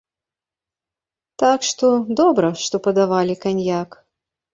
Так што, добра, што падавалі каньяк!